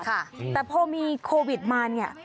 แต่พอมีโควิดมาเนี่ย